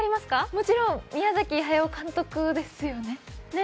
もちろん、宮崎駿監督ですよね。